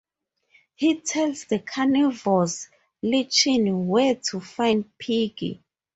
He tells the carnivorous lichen where to find the Piggy.